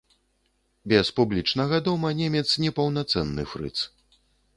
Без публічнага дома немец непаўнацэнны фрыц.